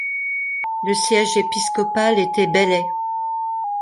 Le siège épiscopal était Belley.